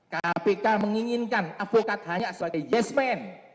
kpk menginginkan avokat hanya sebagai yes man